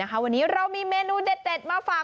วันนี้เรามีเมนูเด็ดมาฝาก